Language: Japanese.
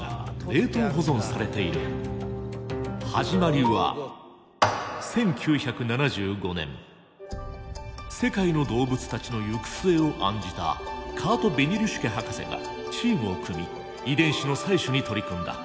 ここには絶滅危惧種も含む始まりは世界の動物たちの行く末を案じたカート・ベニルシュケ博士がチームを組み遺伝子の採取に取り組んだ。